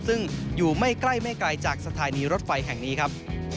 ซึ่งอยู่ไม่ใกล้ไม่ไกลจากสถานีรถไฟแห่งนี้ครับ